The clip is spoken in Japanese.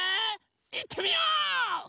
いってみよう！